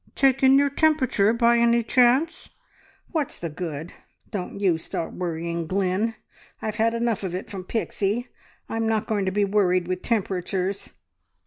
"Taken your temperature by any chance?" "What's the good? Don't you start worrying, Glynn! I've had enough of it from Pixie. I'm not going to be worried with temperatures."